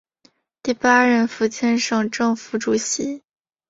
第八任福建省政府主席。